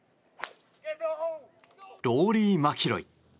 ローリー・マキロイ。